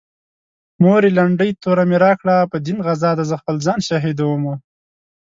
مورې لنډۍ توره مې راکړه په دين غزا ده زه خپل ځان شهيدومه